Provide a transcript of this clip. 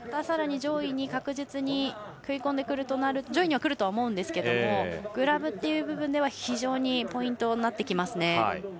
さらに上位に確実に食い込んでくるとなると上位には来ると思うんですけどグラブという部分では非常にポイントになりますね。